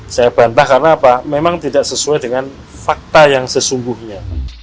saya bantah karena apa memang tidak sesuai dengan fakta yang sesungguhnya